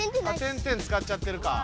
点点使っちゃってるか。